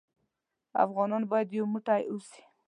افغانان بايد يو موټى اوسې.